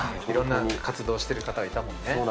いろんな活動をしてる方がいたもんね。